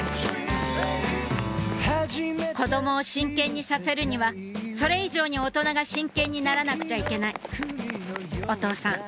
子供を真剣にさせるにはそれ以上に大人が真剣にならなくちゃいけないお父さん